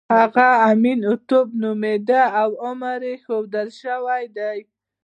هغه امین هوټېپ نومېده او عمر یې ښودل شوی دی.